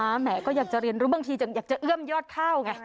แหมก็อยากจะเรียนรู้บางทีอยากจะเอื้อมยอดข้าวไง